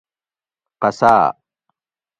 قصاۤ